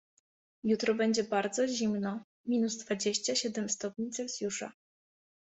Jutro będzie bardzo zimno, minus dwadzieścia siedem stopni Celsjusza.